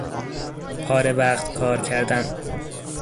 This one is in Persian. پاره وقت کارکردن